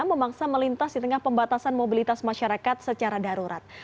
memaksa melintas di tengah pembatasan mobilitas masyarakat secara darurat